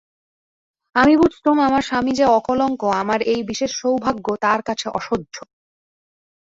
আমি বুঝতুম আমার স্বামী যে অকলঙ্ক আমার এই বিশেষ সৌভাগ্য তাঁর কাছে অসহ্য।